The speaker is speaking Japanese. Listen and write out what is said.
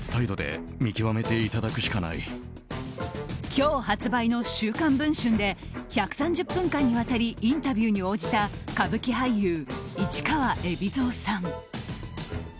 今日発売の「週刊文春」で１３０分間にわたりインタビューに応じた歌舞伎俳優・市川海老蔵さん。